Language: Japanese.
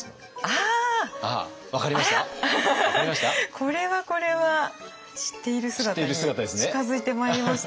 これはこれは知っている姿に近づいてまいりました。